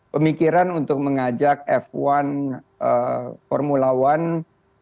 pemikiran untuk mengajak f satu formula one